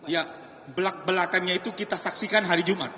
ya belakangnya itu kita saksikan hari jumat